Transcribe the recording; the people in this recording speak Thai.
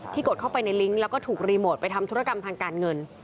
กดเข้าไปในลิงก์แล้วก็ถูกรีโมทไปทำธุรกรรมทางการเงิน